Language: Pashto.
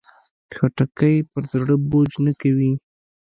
خټکی پر زړه بوج نه کوي.